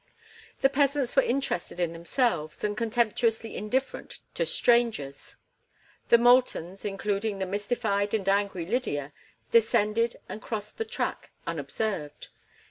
The peasants were interested in themselves and contemptuously indifferent to strangers. The Moultons, including the mystified and angry Lydia, descended and crossed the track unobserved.